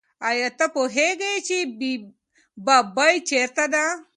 آیا ته پوهېږې چې ببۍ چېرته ده؟